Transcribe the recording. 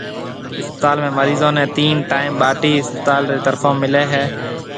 اسپتال ۾ مريضون نيَ تين ٽيئم ٻاٽِي اسپتال رِي طرفون مليَ ھيََََ